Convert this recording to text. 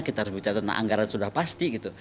kita harus bicara tentang anggaran sudah pasti gitu